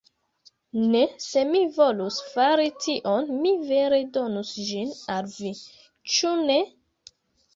Ne! Se mi volus fari tion, mi vere donus ĝin al vi, ĉu ne?